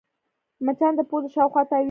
مچان د پوزې شاوخوا تاوېږي